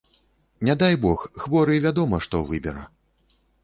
Не дай бог, хворы вядома што, выбера.